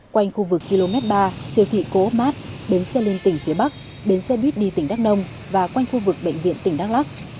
quanh khu vực km ba siêu thị cố mát bến xe liên tỉnh phía bắc bến xe buýt đi tỉnh đắk nông và quanh khu vực bệnh viện tỉnh đắk lắc